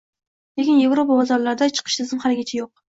Lekin Yevropa bozorlariga chiqish tizimi haligacha yo‘q.